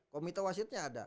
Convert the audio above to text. komite wasitnya ada